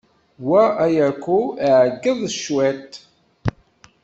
Wa Ayako, ɛeggeḍ cwiṭ.